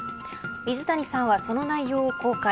水谷さんはその内容を公開。